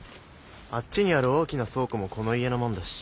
あっちにある大きな倉庫もこの家のもんだし。